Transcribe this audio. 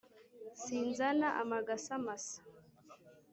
Sinzana amagasa masa.